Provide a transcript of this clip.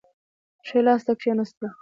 ښي لاس ته کښېنستلم.